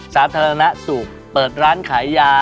สาธารณสุขเปิดร้านขายยา